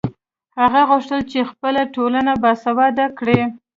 هغه غوښتل چې خپله ټولنه باسواده کړي.